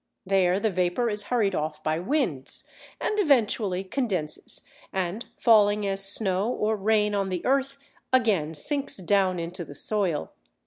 There the vapour is hurried off by winds, and eventually condenses and, falling as snow or rain on the earth, again sinks down into the soil.